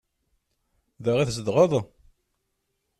Da i tzedɣeḍ?